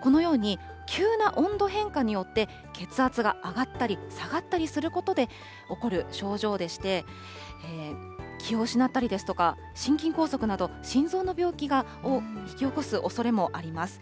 このように、急な温度変化によって血圧が上がったり下がったりすることで起こる症状でして、気を失ったりですとか、心筋梗塞など、心臓の病気を引き起こすおそれもあります。